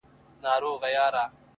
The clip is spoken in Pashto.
د اور ورين باران لمبو ته چي پناه راوړې-